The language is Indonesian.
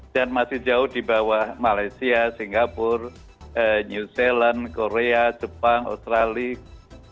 dan masih jauh di bawah malaysia singapura new zealand korea jepang australia